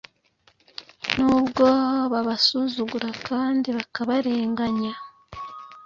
nubwo babasuzugura, kandi bakabarennganya.